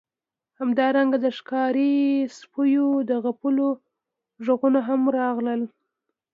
همدارنګه د ښکاري سپیو د غپیدلو غږونه هم راغلل